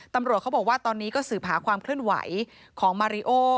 ตำรวจเขาบอกว่าตอนนี้ก็สืบหาความเคลื่อนไหวของมาริโอ